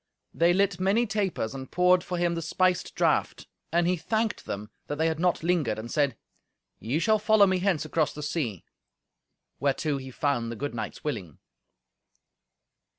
They lit many tapers, and poured for him the spiced draught. And he thanked them that they had not lingered, and said, "Ye shall follow me hence across the sea;" whereto he found the good knights willing.